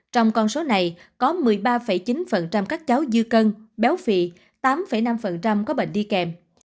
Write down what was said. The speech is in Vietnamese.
trong con số này có một mươi ba chín các cháu dư cân béo phì tám năm có bệnh đi kèm